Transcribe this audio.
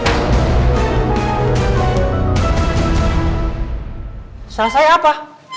masalah saya apa